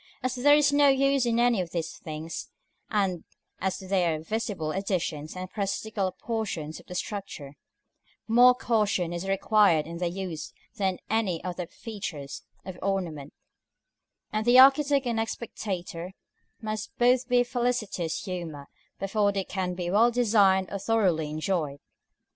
As there is no use in any of these things, and as they are visible additions and parasitical portions of the structure, more caution is required in their use than in any other features of ornament, and the architect and spectator must both be in felicitous humor before they can be well designed or thoroughly enjoyed.